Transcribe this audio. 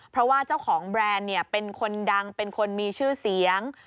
เพราะว่าเจ้าของแบรนด์เป็นคนดังเป็นคนมีชื่อเสียง